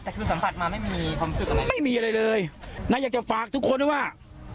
แต่คือสัมผัสมาไม่มีความสุขอะไรไม่มีอะไรเลยนะอยากจะฝากทุกคนด้วยว่า